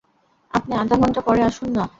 আপনি আধা ঘন্টা পরে আসুন না।